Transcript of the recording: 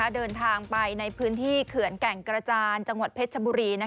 เดินทางไปในพื้นที่เขื่อนแก่งกระจานจังหวัดเพชรชบุรี